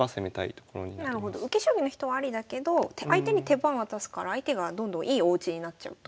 受け将棋の人はありだけど相手に手番渡すから相手がどんどんいいおうちになっちゃうと。